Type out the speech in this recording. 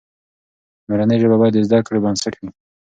مورنۍ ژبه باید د زده کړې بنسټ وي.